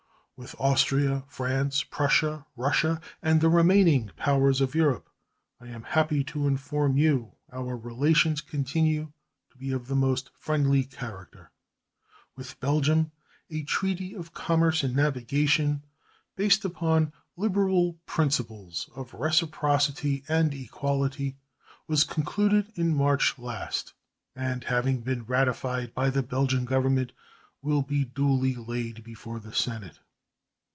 With Austria, France, Prussia, Russia, and the remaining powers of Europe I am happy to inform you our relations continue to be of the most friendly character. With Belgium a treaty of commerce and navigation, based upon liberal principles of reciprocity and equality, was concluded in March last, and, having been ratified by the Belgian Government, will be duly laid before the Senate.